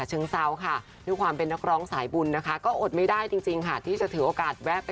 เล่าให้ฟังแบบนี้นะคะ